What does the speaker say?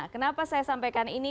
kenapa saya sampaikan ini